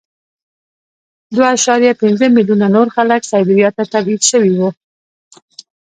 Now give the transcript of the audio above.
دوه اعشاریه پنځه میلیونه نور خلک سایبریا ته تبعید شوي وو